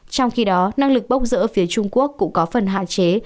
trong khi đó năng lực bốc rỡ phía trung quốc cũng có phần hạn chế